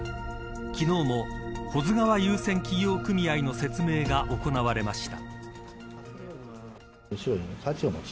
昨日も保津川遊船企業組合の説明が行われました。